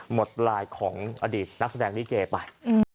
หมดไลน์ของอดีตนักแสดงลิเกไป